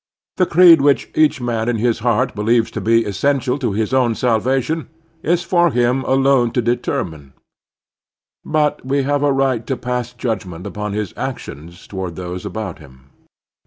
The creed which each man in his heart believes to be essential to his own salvation is for him alone to determine; but we have a right to pass judgment upon his actions toward those about him.